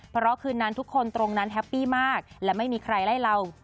เพราะคืนนั้นทุกคนตรงนั้นแฮปปี้มากและไม่มีใครไล่เรา